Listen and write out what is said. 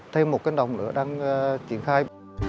thêm một cánh đồng nữa đang triển khai